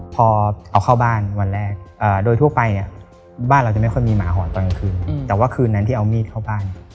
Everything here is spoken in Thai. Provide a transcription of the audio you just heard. พอเอาเข้าบ้านวันแรกโดยทั่วไปเนี่ยบ้านเราจะไม่ค่อยมีหมาหอนตอนกลางคืนแต่ว่าคืนนั้นที่เอามีดเข้าบ้าน